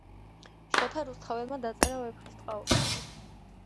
შოთა რუსთაველმა დაწერა ვეფხისტყაოსანი